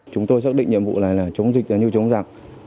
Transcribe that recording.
chúng tôi xác định nhiệm vụ này là chống dịch như chống giặc